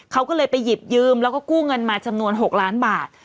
เขาก็เลยไปหยิบยืมแล้วก็กู้เงินมาจำนวน๖ล้านบาท